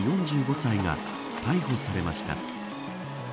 ４５歳が逮捕されました。